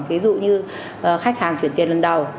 ví dụ như khách hàng chuyển tiền lần đầu